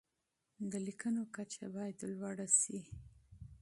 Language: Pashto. د لیکنو کچه باید لوړه شي.